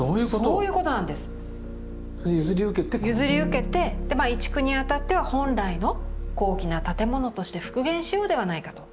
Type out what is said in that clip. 譲り受けて移築にあたっては本来の高貴な建物として復元しようではないかと。